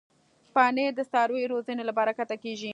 پنېر د څارویو روزنې له برکته کېږي.